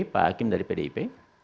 pak hakim dari pdip